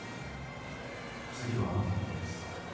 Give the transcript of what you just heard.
次はあなたの番です。